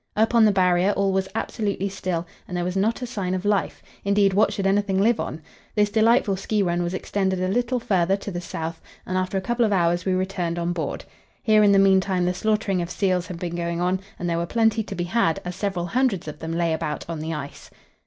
Up on the Barrier all was absolutely still, and there was not a sign of life; indeed, what should anything live on? This delightful ski run was extended a little farther to the south, and after a couple of hours we returned on board. Here in the meantime the slaughtering of seals had been going on, and there were plenty to be had, as several hundreds of them lay about on the ice.